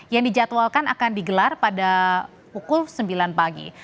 yang dijadwalkan akan digelar pada pukul sembilan pagi